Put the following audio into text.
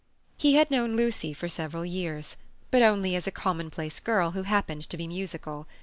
He had known Lucy for several years, but only as a commonplace girl who happened to be musical.